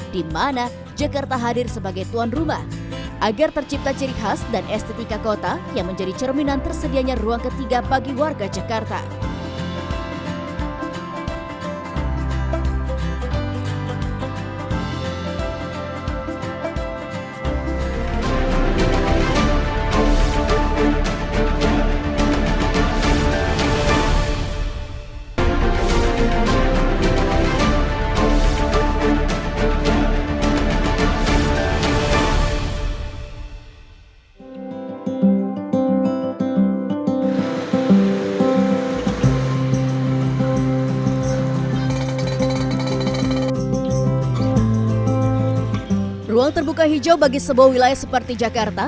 dimana jakarta hadir sebagai tuan rumah agar tercipta ciri khas dan estetika kota yang menjadi cerminan tersedianya ruang ketiga bagi warga jakarta